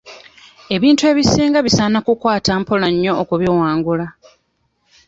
Ebintu ebisinga bisaana kukwata mpola nnyo okubiwangula.